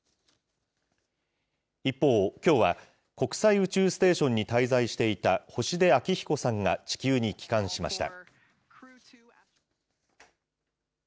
一方、きょうは国際宇宙ステーションに滞在していた星出彰彦さんが地球に帰還しました。